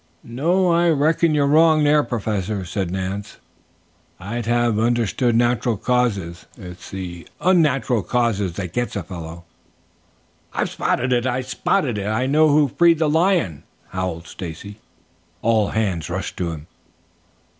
"No, I reckon you're wrong there, Professor," said Nance. "I'd have understood natural causes. It's the unnatural causes that gets a fellow." "I've spotted it, I've spotted it! I know who freed the lion!" howled Stacy. All hands rushed to him.